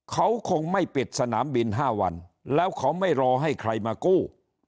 เขาคงไม่ปิดสนามบิน๕วันแล้วเขาไม่รอให้ใครมากู้